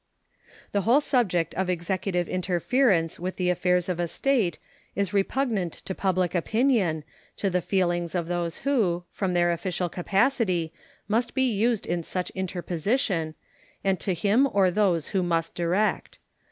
The whole subject of Executive interference with the affairs of a State is repugnant to public opinion, to the feelings of those who, from their official capacity, must be used in such interposition, and to him or those who must direct.